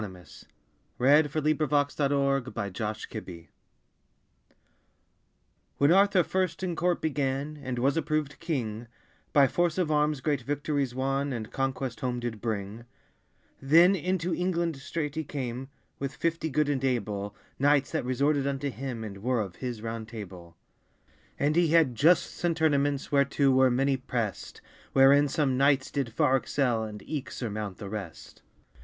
SIR LANCELOT DU LAKE When Arthur first in court began, And was approved king, By force of armes great victorys wanne, And conquest home did bring, Then into England straight he came With fifty good and able Knights, that resorted unto him, And were of his round table: And he had justs and turnaments, Whereto were many prest, Wherein some knights did far excell And eke surmount the rest.